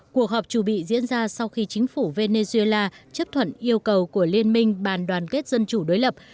cuộc họp chủ bị diễn ra sau khi chính phủ venezuela chấp thuận yêu cầu của liên minh bàn đoàn kết dân chủ đối lập